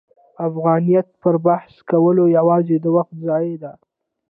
د افغانیت پر بحث کول یوازې د وخت ضایع ده.